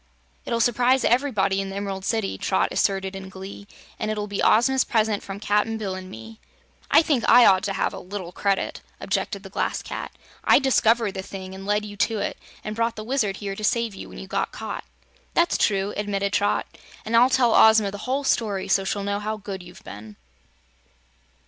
"It'll s'prise ev'rybody in the Em'rald City," Trot asserted in glee, "and it'll be Ozma's present from Cap'n Bill and me." "I think I ought to have a little credit," objected the Glass Cat. "I discovered the thing, and led you to it, and brought the Wizard here to save you when you got caught." "That's true," admitted Trot, "and I'll tell Ozma the whole story, so she'll know how good you've been."